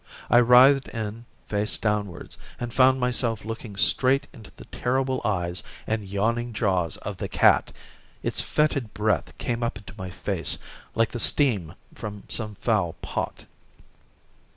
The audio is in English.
I writhed in face downwards, and found myself looking straight into the terrible eyes and yawning jaws of the cat. Its fetid breath came up into my face like the steam from some foul pot.